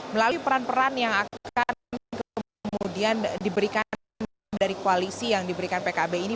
melalui peran peran yang akan kemudian diberikan dari koalisi yang diberikan pkb ini